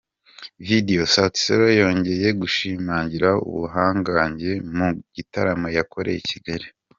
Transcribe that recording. Video: Sauti Sol yongeye gushimangira ubuhangange mu gitaramo yakoreye i Kigali.